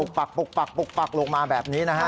นี่ค่ะปุกปักลงมาแบบนี้นะครับ